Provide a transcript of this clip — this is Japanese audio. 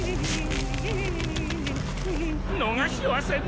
逃しはせぬ。